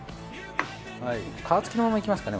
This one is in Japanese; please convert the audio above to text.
皮つきのままいきますかね